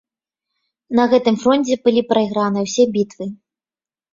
На гэтым фронце былі прайграныя ўсе бітвы.